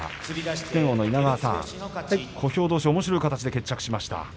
普天王の稲川さん小兵どうしおもしろい形で決着しました。